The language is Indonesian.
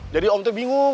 jadi om teh bingung